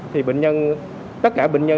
thì tất cả bệnh nhân